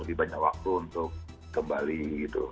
lebih banyak waktu untuk kembali gitu